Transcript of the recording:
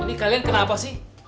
ini kalian kenapa sih